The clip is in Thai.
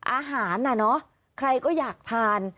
อาหารน่ะเนอะใครก็อยากทาน